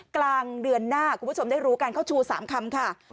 กลางเดือนหน้าคุณผู้ชมได้รู้กันเขาชู๓คำค่ะ